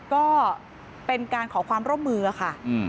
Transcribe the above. ก็เป็นการขอความร่วมมือค่ะ